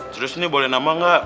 terus ini boleh nambah gak